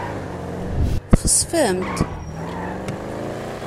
Txesfemt.